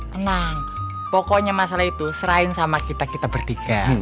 tenang pokoknya masalah itu selain sama kita kita bertiga